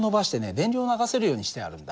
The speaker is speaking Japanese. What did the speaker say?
電流を流せるようにしてあるんだ。